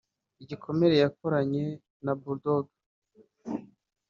“Igikomere" yakoranye na Bull Dogg